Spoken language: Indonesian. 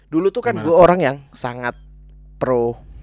dulu tuh kan gue orang yang sangat pro